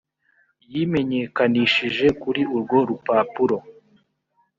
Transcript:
yimenyekanishije kuri urwo rupapuro .